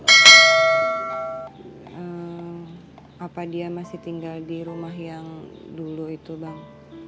apa dia masih tinggal di rumah yang dulu itu bang